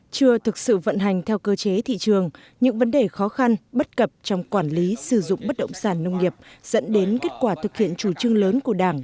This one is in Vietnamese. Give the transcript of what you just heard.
chưa thực sự vận hành theo cơ chế thị trường những vấn đề khó khăn bất cập trong quản lý sử dụng bất động sản nông nghiệp dẫn đến kết quả thực hiện chủ trương lớn của đảng